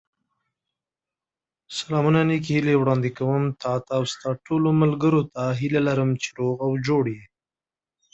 They decided to set up the company after making a video together at university.